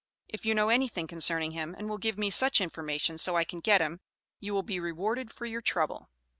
If you know anything concerning him and will give me such information so I can get him, you will be rewarded for your trouble.